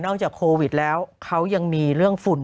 จากโควิดแล้วเขายังมีเรื่องฝุ่น